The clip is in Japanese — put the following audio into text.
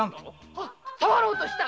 あ触ろうとした！